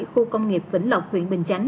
khu công nghiệp vĩnh lộc huyện bình chánh